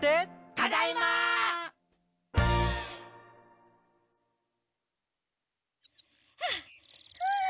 「ただいま！」はあふっ！